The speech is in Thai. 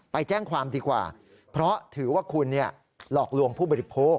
ไปแจ้งความดีกว่าเพราะถือว่าคุณหลอกลวงผู้บริโภค